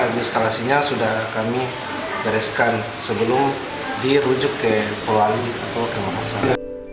jadi perusahaan ini sudah kami bereskan sebelum dirujuk ke polali atau ke makassar